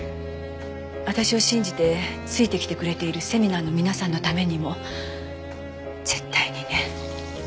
私を信じてついてきてくれているセミナーの皆さんのためにも絶対にね。